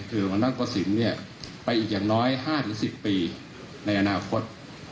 คือหัวหน้ากระสินไปอีกอย่างน้อย๕๑๐ปีในอนาคต